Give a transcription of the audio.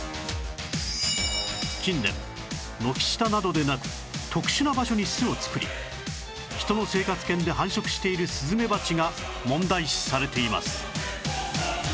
近年軒下などでなく特殊な場所に巣を作り人の生活圏で繁殖しているスズメバチが問題視されています